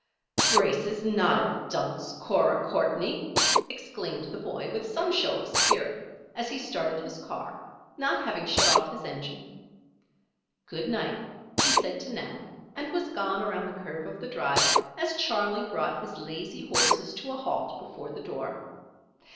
"Grace is not a dunce, Cora Courtney!" exclaimed the boy, with some show of spirit, as he started his car, not having shut off his engine. "Good night," he said to Nan, and was gone around the curve of the drive as Charley brought his lazy horses to a halt before the door.